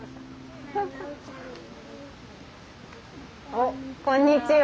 おこんにちは。